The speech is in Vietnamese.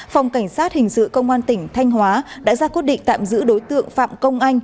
phòng cảnh sát hình sự công an tỉnh thanh hóa đã ra quyết định tạm giữ đối tượng phạm công anh